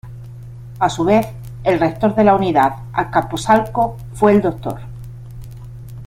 A su vez, el Rector de la Unidad Azcapotzalco fue el Dr.